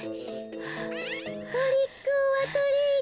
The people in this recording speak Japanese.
トリックオアトリート。